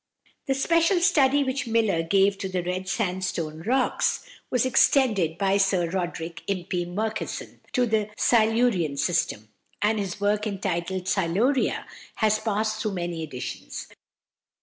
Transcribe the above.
The special study which Miller gave to the Red Sandstone rocks was extended by =Sir Roderick Impey Murchison (1792 1871)= to the Silurian System, and his work entitled "Siluria" has passed through many editions.